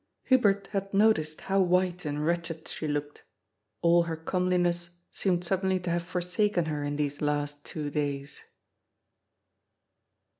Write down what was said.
Hubert had noticed how white and wretched she looked. All her comeliness seemed suddenly to have forsaken her in these last two days.